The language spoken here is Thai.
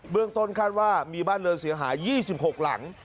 เบื้องต้นคาดว่ามีบ้านเริ่มเสียหายี่สิบหกหลัง